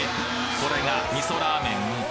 これが味噌ラーメン？